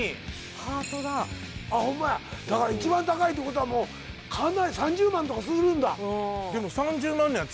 ハートだあホンマやだから一番高いってことはもうかなり３０万とかするんだでも３０万のやつ